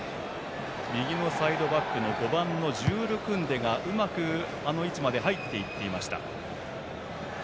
右のサイドバック５番のジュール・クンデがうまくあの位置まで入りました。